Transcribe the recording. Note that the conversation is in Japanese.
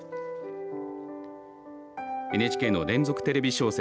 ＮＨＫの連続テレビ小説